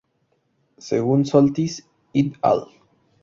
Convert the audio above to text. Según Soltis "et al.